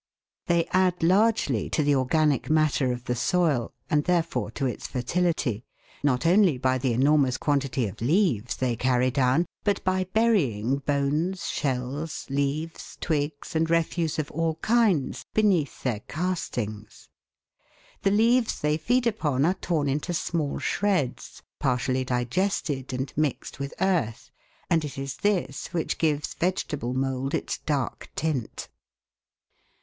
They add largely to the organic matter of the soil, and therefore to its fertility, not only by the enormous quantity of leaves they carry down, but by burying bones, shells, leaves, twigs, and refuse of all kinds beneath their castings. The leaves they feed upon are torn into small shreds, partially digested and mixed with earth, and it is this which gives vegetable mould its dark tint.